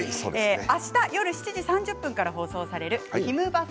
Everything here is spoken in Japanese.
あした夜７時３０分から放送される「ひむバス！